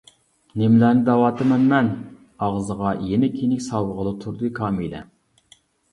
نېمىلەرنى دەۋاتىمەن مەن-ئاغزىغا يېنىك-يېنىك ساۋىغىلى تۇردى كامىلە.